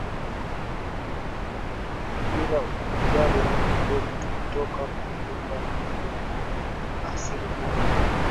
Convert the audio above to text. bila kujali rangi zetu tumetoka kwa Muumba mmoja na tuna asili moja